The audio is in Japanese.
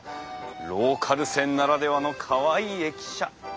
ローカル線ならではのかわいい駅舎！